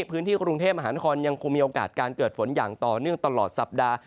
พื้นที่กรุงเทพมหานครยังคงมีโอกาสการเกิดฝนอย่างต่อเนื่องตลอดสัปดาห์